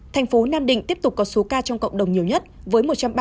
thành phố nam định tiếp tục có số ca trong cộng đồng nhiều nhất với một trăm ba mươi ba ca